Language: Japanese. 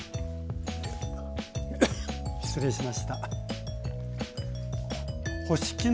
失礼しました。